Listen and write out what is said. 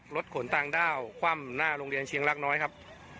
ขนต่างด้าวคว่ำหน้าโรงเรียนเชียงรักน้อยครับ